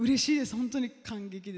本当に感激で。